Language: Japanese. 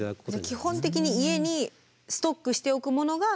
基本的に家にストックしておくものが。